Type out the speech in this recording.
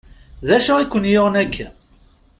D acu i ken-yuɣen akka?